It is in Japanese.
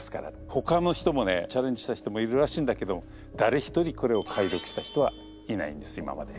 ほかの人もねチャレンジした人もいるらしいんだけど誰一人これを解読した人はいないんです今まで。